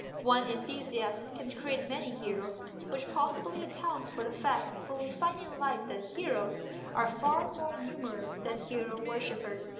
One enthusiast can create many heroes, which possibly accounts for the fact that we find in life that heroes are far more numerous than hero worshippers.